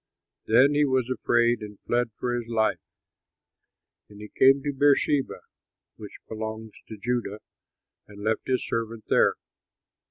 Then he was afraid and fled for his life. And he came to Beersheba, which belongs to Judah, and left his servant there.